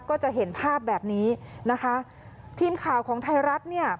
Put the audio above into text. ก็จะเห็นภาพแบบนี้นะคะทีมข่าวของไทยรัฐเนี่ย